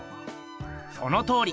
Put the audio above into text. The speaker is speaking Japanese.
そのとおり。